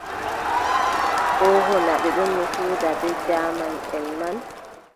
Ooho, naa ɓe ɗonno huuda bee jaamanʼen may.